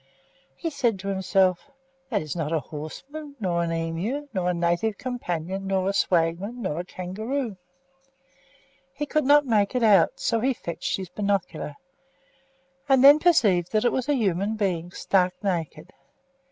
He said to himself, "That is not a horseman, nor an emu, nor a native companion, nor a swagman, nor a kangaroo." He could not make it out; so he fetched his binocular, and then perceived that it was a human being, stark naked.